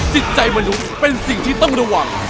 จิตใจมนุษย์เป็นสิ่งที่ต้องระวัง